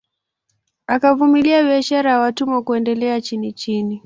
Akavumilia biashara ya watumwa kuendelea chinichini